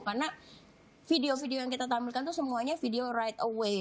karena video video yang kita tampilkan tuh semuanya video right away